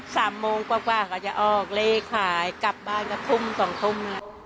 สามโมงกว่ากว่าก็จะออกเลขขายกลับบ้านก็ทุ่มสองทุ่ม